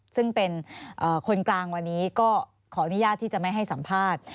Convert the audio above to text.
ซึ่งเป็นคนกลางวันนี้ก็ขออนุญาตที่จะไม่ให้สัมภาษณ์